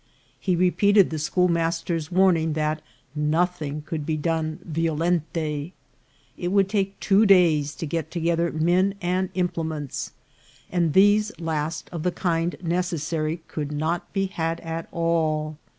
He repeated the schoolmaster's warning that nothing could be done violenter. It would take two days to get together men and implements, and these last of the kind necessary could not be had at all.